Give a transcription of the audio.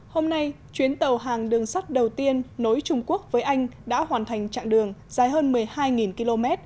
hôm nay chuyến tàu hàng đường sắt đầu tiên nối trung quốc với anh đã hoàn thành trạng đường dài hơn một mươi hai km